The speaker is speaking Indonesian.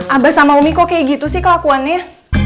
abah sama umi kok kayak gitu sih kelakuannya